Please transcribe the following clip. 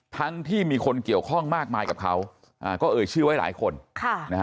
ทั้งที่มีคนเกี่ยวข้องมากมายกับเขาก็เอ่ยชื่อไว้หลายคนค่ะนะฮะ